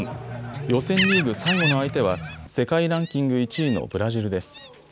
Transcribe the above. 予選リーグ最後の相手は世界ランキング１位のブラジルです。